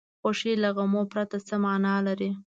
خوښي له غمونو پرته څه معنا لري.